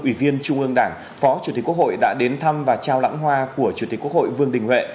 ủy viên trung ương đảng phó chủ tịch quốc hội đã đến thăm và trao lãng hoa của chủ tịch quốc hội vương đình huệ